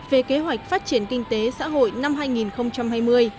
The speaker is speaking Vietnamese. về kế hoạch phát triển kinh tế xã hội năm hai nghìn hai mươi